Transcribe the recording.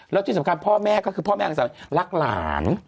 แล้วที่สำคัญพ่อแม่ก็คือพ่อแม่ของสาวรักหลาน